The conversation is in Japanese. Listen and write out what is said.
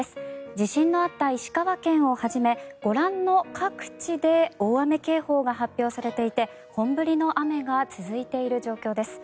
地震のあった石川県をはじめご覧の各地で大雨警報が発表されていて本降りの雨が続いている状況です。